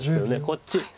こっち。